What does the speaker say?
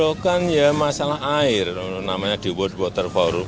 itu kan ya masalah air namanya di world water forum